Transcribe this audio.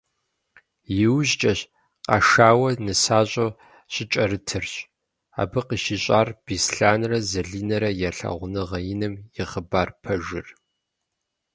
Иужькӏэщ, къашауэ нысащӏэу щыкӏэрытырщ, абы къыщищӏар Беслъэнрэ Залинэрэ я лъагъуныгъэ иным и хъыбар пэжыр.